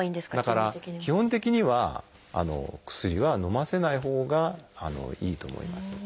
基本的には薬はのませないほうがいいと思います。